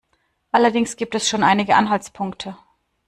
Allerdings gibt es schon einige Anhaltspunkte.